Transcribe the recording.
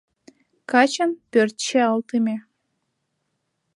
Качын пӧрт чиялтыме